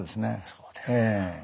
そうですか。